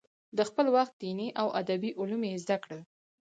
د خپل وخت دیني او ادبي علوم یې زده کړل.